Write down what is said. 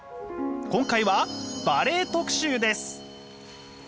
今回はバレエ特集です。